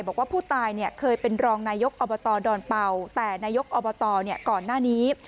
บอกว่าผู้ตายเคยเป็นรองนายกอบตดอนเป่าแต่นายกอบตก่อนหน้านี้